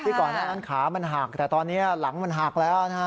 ก่อนหน้านั้นขามันหักแต่ตอนนี้หลังมันหักแล้วนะฮะ